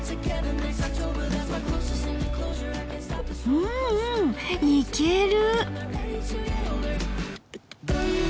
うんうんいける。